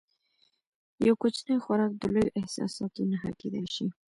یو کوچنی خوراک د لویو احساساتو نښه کېدای شي.